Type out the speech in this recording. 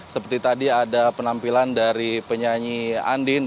seperti tadi ada penampilan dari penyanyi andin